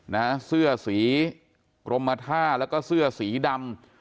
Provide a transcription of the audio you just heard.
นะฮะเสื้อสีกรมท่าแล้วก็เสื้อสีดำ